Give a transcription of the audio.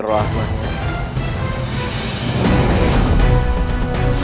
aku akan menangkapmu